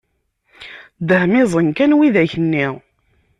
Dehmiẓen kan widak-nni!